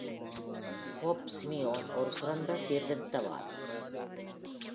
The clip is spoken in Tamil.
போப் சிமியோன் ஒரு சிறந்த சீர்திருத்தவாதி.